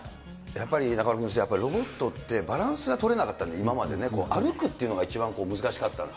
やっぱり中丸君、やっぱりロボットって、バランスが取れなかったの、今までね、歩くっていうのが一番難しかったの。